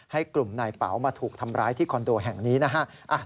ให้กลุ่มนายเป๋ามาถูกทำร้ายที่คอนโดแห่งนี้นะฮะ